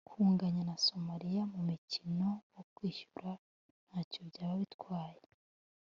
Kunganya na Somalia mu mukino wo kwishyura ntacyo byaba bitwaye